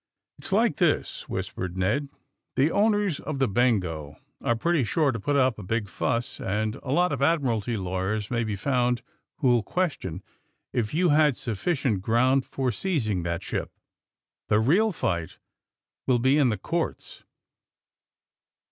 *^It's like this," whispered Ned. *^The own ers of the *Bengo' are pretty sure to put up a big fuss, and a lot of admiralty lawyers may be found who'll question if you had sufficient ground for seizing that ship. The real fight will be in the courts."